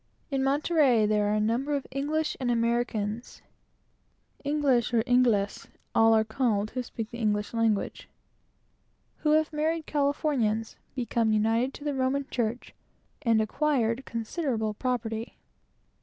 In Monterey there are a number of English and Americans (English or "Ingles" all are called who speak the English language) who have married Californians, become united to the Catholic church, and acquired considerable property.